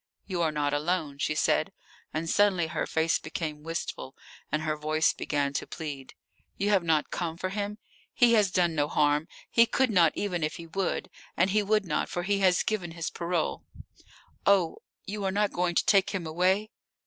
"You are not alone," she said, and suddenly her face became wistful and her voice began to plead. "You have not come for him? He has done no harm. He could not, even if he would. And he would not, for he has given his parole. Oh, you are not going to take him away?"